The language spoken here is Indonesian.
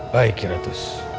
baik kira tuh